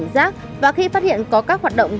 giác và khi phát hiện có các hoạt động